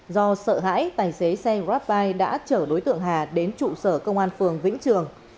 do sợ hãi tài xế xe grabbile đã chở đối tượng hà đến trụ sở công an phường vĩnh trường